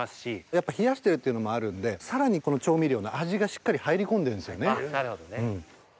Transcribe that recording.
やっぱ冷やしてるっていうのもあるんでさらにこの調味料の味がしっかり入り込んでるんですよね。